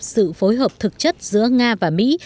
sự phối hợp thực chất giữa nga và mỹ